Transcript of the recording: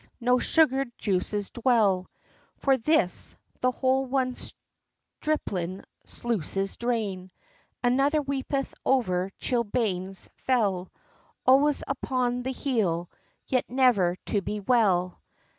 no sugar'd juices dwell, For this, the while one stripling's sluices drain, Another weepeth over chilblains fell, Always upon the heel, yet never to be well!